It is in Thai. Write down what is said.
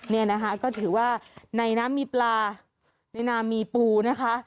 นี่นะคะก็ถือว่าในน้ำมีปลาในน้ำมีปูนะคะ